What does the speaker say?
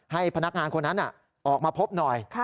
ให้พนักงานคนนั้นออกมาพบหน่อย